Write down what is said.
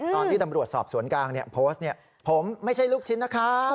ตอนที่ตำรวจสอบสวนกลางโพสต์ผมไม่ใช่ลูกชิ้นนะครับ